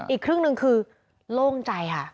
อีกครึ่งหนึ่งคือโล่งใจค่ะ